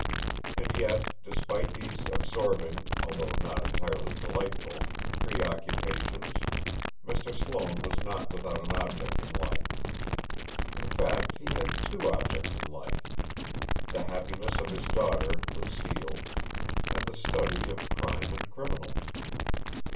And yet, despite these absorbing, although not entirely delightful, preoccupations, Mr. Sloane was not without an object in life. In fact, he had two objects in life: the happiness of his daughter, Lucille, and the study of crime and criminals.